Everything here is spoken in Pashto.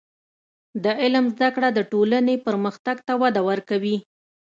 د علم زده کړه د ټولنې پرمختګ ته وده ورکوي.